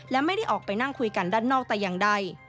และไม่ได้ออกไปนั่งคุยกันด้านนอกแต่อย่างใด